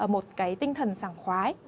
một cái tinh thần sảng khoái